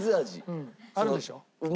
うんあるでしょ？